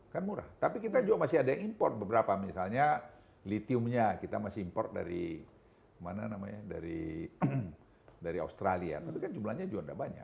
kan murah tapi kita juga masih ada yang import beberapa misalnya litiumnya kita masih import dari australia tapi kan jumlahnya juga tidak banyak